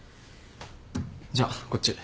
じゃあこっち。